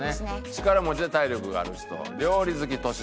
「力持ちで体力がある人」「料理好き」「年下」